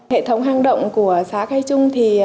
hệ thống hang động của xã khai trung thì